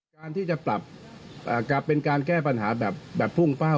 การที่จะปรับกลับเป็นการแก้ปัญหาแบบพุ่งเป้า